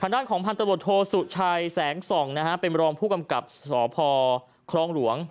ทางด้านของพันธบทโทสุชัยแสงส่องนะฮะเป็นรองผู้กำกับสพครองหลวง